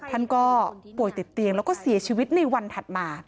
ท่านก็ป่วยติดเตียงแล้วก็เสียชีวิตในวันถัดมา